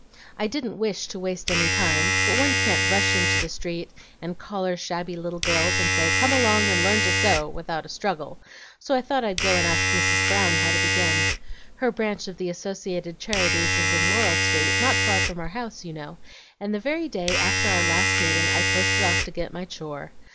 I didn't wish to waste any time, but one can't rush into the street and collar shabby little girls, and say, 'Come along and learn to sew,' without a struggle, so I thought I'd go and ask Mrs. Brown how to begin. Her branch of the Associated Charities is in Laurel Street, not far from our house, you know; and the very day after our last meeting I posted off to get my 'chore.'